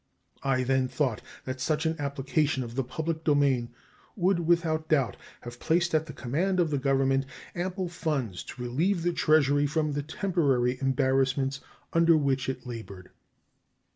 I then thought that such an application of the public domain would without doubt have placed at the command of the Government ample funds to relieve the Treasury from the temporary embarrassments under which it labored.